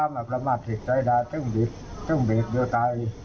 หมี่ฮะขอบคุณสินะ